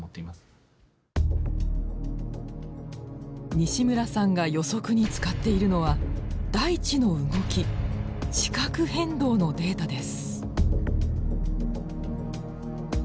西村さんが予測に使っているのは大地の動き地殻変動のデータです。